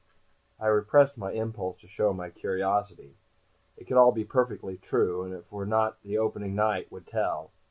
I repressed my impulse to show my curiosity. It could all be perfectly true and if it were not the opening night would tell.